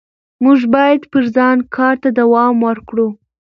موږ باید پر ځان کار ته دوام ورکړو